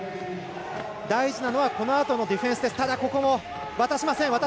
大事なのはこのあとのディフェンス。